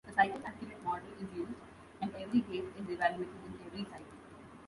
A cycle-accurate model is used, and every gate is evaluated in every cycle.